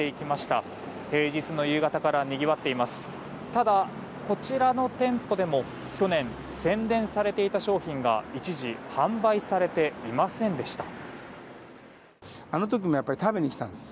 ただ、こちらの店舗でも去年宣伝されていた商品が一時販売されていませんでした。